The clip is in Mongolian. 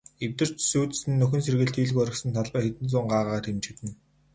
Эвдэрч сүйдсэн, нөхөн сэргээлт хийлгүй орхисон талбай хэдэн зуун гагаар хэмжигдэнэ.